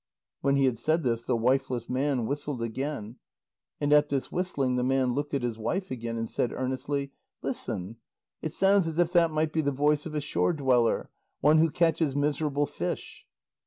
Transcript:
When he had said this, the wifeless man whistled again. And at this whistling, the man looked at his wife again and said earnestly: "Listen! It sounds as if that might be the voice of a shore dweller; one who catches miserable fish."